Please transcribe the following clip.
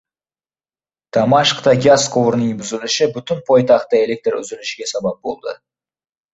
Damashqda gaz quvurining buzilishi butun poytaxtda elektr uzilishiga sabab bo‘ldi